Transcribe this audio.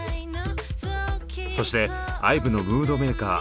そしてＩＶＥのムードメーカー